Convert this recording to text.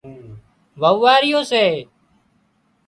وئوئاريون سي